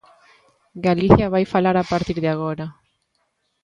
Galicia vai falar a partir de agora.